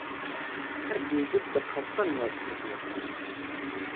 هەر دەیگوت بە قەستەن وات کردووە!